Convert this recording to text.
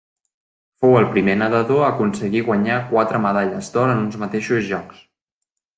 Fou el primer nedador a aconseguir guanyar quatre medalles d'or en uns mateixos Jocs.